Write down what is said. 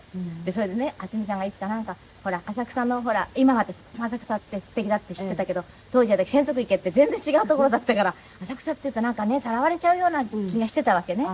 それでね渥美さんが言ってた浅草の今は私とっても浅草ってすてきだって知っていたけど当時私洗足池って全然違う所だったから浅草っていうとなんかねさらわれちゃうような気がしていたわけね。